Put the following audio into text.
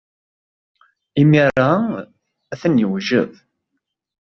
Imir-a, atan yewjed.